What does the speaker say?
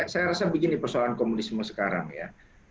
saya rasa begini persoalan komunisme sekarang ya